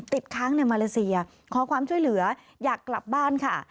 ติดค้างในมาเลเซียขอความช่วยเหลืออยากกลับบ้านค่ะ